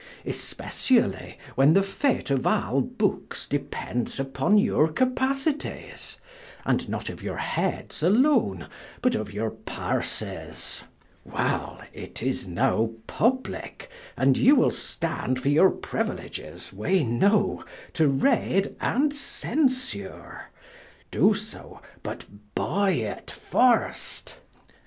Especially, when the fate of all Bookes depends vpon your capacities: and not of your heads alone, but of your purses. Well! it is now publique, & you wil stand for your priuiledges wee know: to read, and censure. Do so, but buy it first.